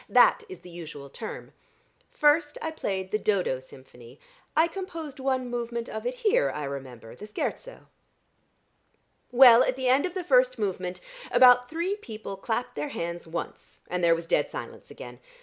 That is the usual term. First I played the 'Dodo' symphony. I composed one movement of it here, I remember the scherzo. Well, at the end of the first movement, about three people clapped their hands once, and there was dead silence again.